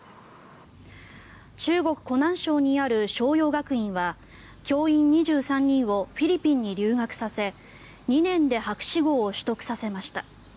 中国・湖南省にある邵陽学院は教員２３人をフィリピンに留学させ２年で博士号を取得させました。